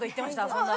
そんな。